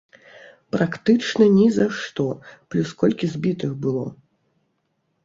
Практычна ні за што, плюс колькі збітых было.